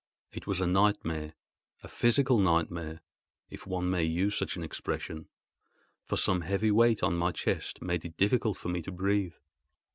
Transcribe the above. It was as a nightmare—a physical nightmare, if one may use such an expression; for some heavy weight on my chest made it difficult for me to breathe.